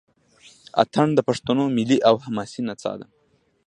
اټن د پښتنو ملي او حماسي نڅا ده.